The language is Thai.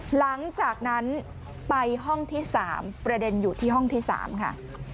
หลังจากนั้นไปห้องที่๓ประเด็นอยู่ที่ห้องที่๓ค่ะ